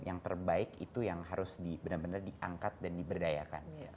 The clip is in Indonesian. yang terbaik itu yang harus diangkat dan diberdayakan